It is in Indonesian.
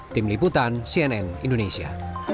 tim liputan cnn indonesia